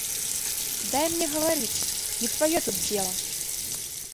Дай мне гаварыць, не тваё тут дзела!